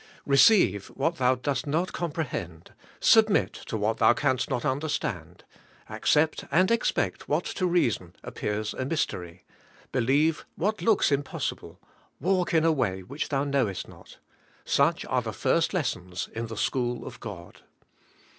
Keceive what thou dost not comprehend, submit to what thou canst not understand, accept and expect what to reason appears a mystery, believe what looks impossible, walk in a way which thou knowest not, — such are the first lessons in the school of God.